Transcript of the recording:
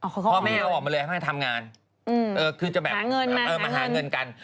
พ่อแม่เอาออกมาเลยให้ทำงานคือจะแบบมาหาเงินกัน